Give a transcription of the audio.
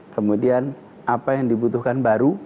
kemudian apa yang dibutuhkan baru